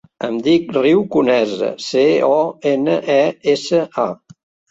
Em dic Riu Conesa: ce, o, ena, e, essa, a.